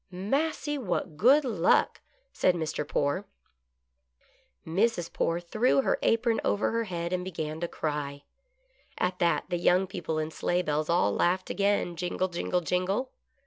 " Massy, what good luck !" said Mr. Poore. Mrs. Poore threw her apron over her head and began to cry. At that, the young people in sleigh bells all laughed again , jingle, jingle, jingle!